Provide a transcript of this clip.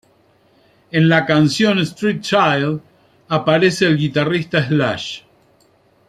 En la canción "Street Child" aparece el guitarrista Slash.